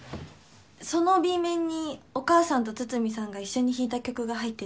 そのＢ面にお母さんと筒見さんが一緒に弾いた曲が入ってて。